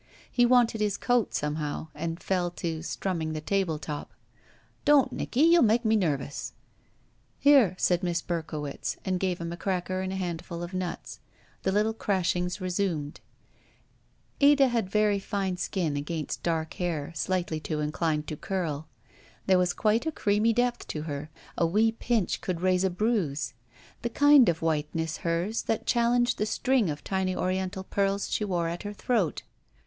He wanted his coat, somehow, and fell to strumming the table top. "Don't, Nicky; you make me nervous." "Here," said Miss Berkowitz, and gave him a cracker and a handful of nuts. The little crashings re§um^, ?S8 ROULETTE Ada had very fair skin against dark hair, slightly too inclined to curl. There was quite a creamy depth to her — a wee pinch could raise a bruise. The kind of whiteness hers that challenged the string of tiny Oriental pearls she wore at her throat.